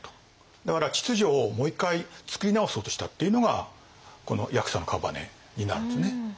だから秩序をもう一回作り直そうとしたっていうのがこの八色の姓になるんですね。